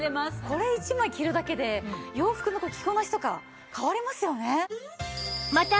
これ１枚着るだけで洋服の着こなしとか変わりますよね。